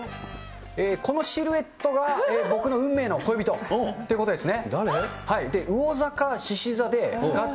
このシルエットが僕の運命の恋人ということですね。